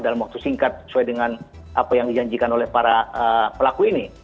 dalam waktu singkat sesuai dengan apa yang dijanjikan oleh para pelaku ini